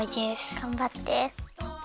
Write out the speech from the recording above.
がんばって。